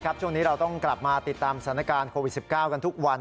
ช่วงนี้เราต้องกลับมาติดตามสถานการณ์โควิด๑๙กันทุกวัน